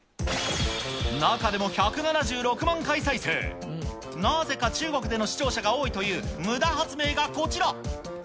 中でも１７６万回再生、なぜか中国での視聴者が多いという、むだ発明がこちら。